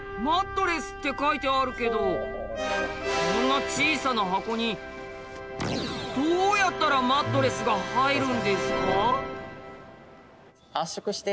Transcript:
「マットレス」って書いてあるけどこんな小さな箱にどうやったらマットレスが入るんですか？